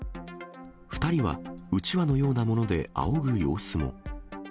２人はうちわのようなものであおぐ様子も。